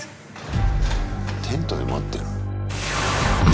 テントで待ってる？